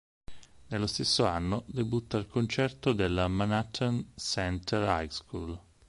Nello stesso anno, debutta al concerto della Manhattan Center High School.